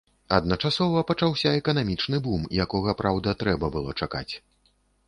Адначасова пачаўся эканамічны бум, якога, праўда, трэба было чакаць.